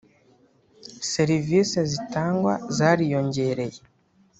“ Serivisi zitangwa zariyongereye